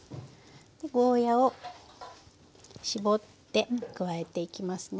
ゴーヤーを搾って加えていきますね。